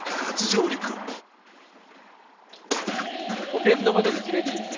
ほけんの窓口レディース。